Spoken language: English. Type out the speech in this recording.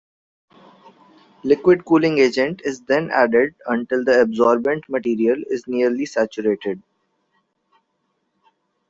Liquid killing agent is then added until the absorbent material is nearly saturated.